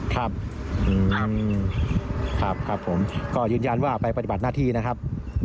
ครับครับผมก็ยืนยันว่าไปปฏิบัติหน้าที่นะครับ